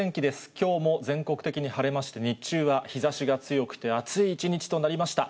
きょうも全国的に晴れまして、日中は日ざしが強くて暑い一日となりました。